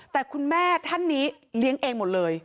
แต่คุณแม่ท่านนี้เลี้ยงเองหมดเลย